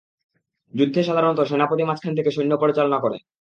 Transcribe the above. যুদ্ধে সাধারণত সেনাপতি মাঝখান থেকে সৈন্য পরিচালনা করে।